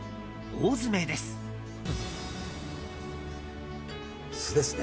大詰めです。